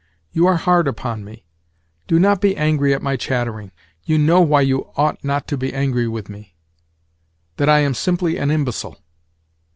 You are hard upon me. Do not be angry at my chattering. You know why you ought not to be angry with me—that I am simply an imbecile.